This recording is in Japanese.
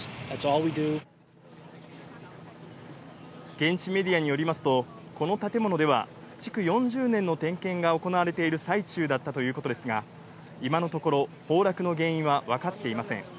現地メディアによりますと、この建物では築４０年の点検が行われている最中だったということですが、今のところ、崩落の原因は分かっていません。